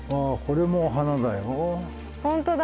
本当だ！